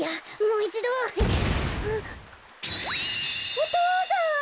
お父さん。